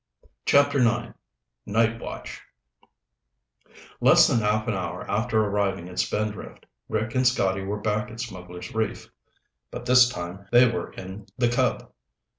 CHAPTER IX Night Watch Less than a half hour after arriving at Spindrift, Rick and Scotty were back at Smugglers' Reef. But this time they were in the Cub.